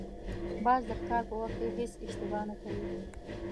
باز د ښکار په وخت هېڅ اشتباه نه کوي